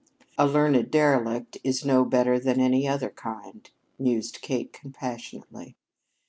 "A learned derelict is no better than any other kind," mused Kate compassionately.